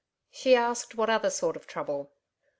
She asked what other sort of trouble.